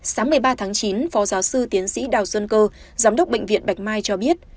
sáng một mươi ba tháng chín phó giáo sư tiến sĩ đào xuân cơ giám đốc bệnh viện bạch mai cho biết